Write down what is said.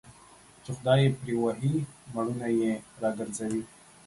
چي خداى يې پري وهي مړونه يې راگرځوي